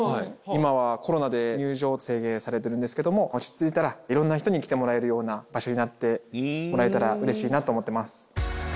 今はコロナで入場を制限されてるんですけども落ち着いたらいろんな人に来てもらえるような場所になってもらえたらうれしいなと思ってます。